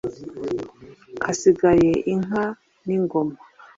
Hasigaye inka n’ingoma